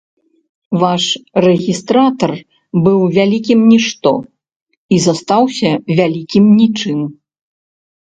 Ваш рэгістратар быў вялікае нішто і застаўся вялікім нічым.